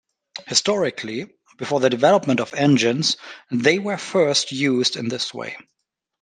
Historically, before the development of engines, they were first used in this way.